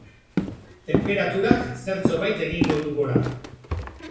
Tenperaturak zertxobait egingo du gora.